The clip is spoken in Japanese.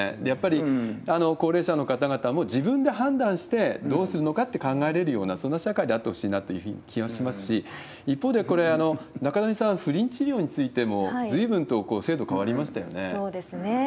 やっぱり高齢者の方々も自分で判断して、どうするのかって考えれるような、そんな社会であってほしいなという気がしますし、一方で、これ、中谷さん、不妊治療についても、ずいぶんと制度変わりそうですね。